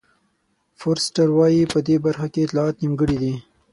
فورسټر وایي په دې برخه کې اطلاعات نیمګړي دي.